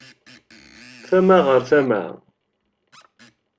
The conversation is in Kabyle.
Tama ɣer tama.